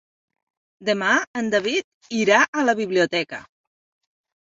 Demà en David irà a la biblioteca.